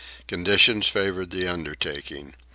Conditions favoured the undertaking.